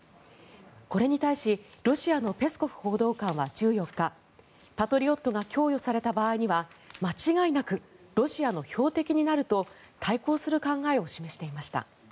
これに対しロシアのペスコフ報道官は１４日パトリオットが供与された場合には間違いなくロシアの標的になると対抗する考えを示していました。